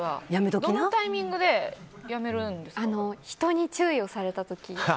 どのタイミングで人に注意された時。